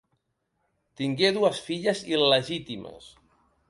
Tingué dues filles il·legítimes: